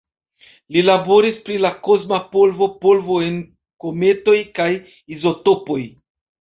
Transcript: Li laboris pri la kosma polvo, polvo en kometoj kaj izotopoj.